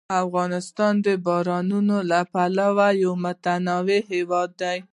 افغانستان د بارانونو له پلوه یو متنوع هېواد دی.